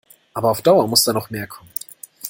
Aber auf Dauer muss da noch mehr kommen.